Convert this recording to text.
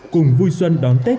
cùng vui xuân đón tết